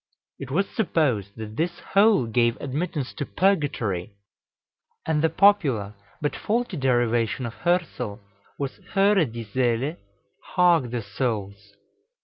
It was supposed that this hole gave admittance to Purgatory; and the popular but faulty derivation of Hörsel was Höre, die Seele Hark, the Souls!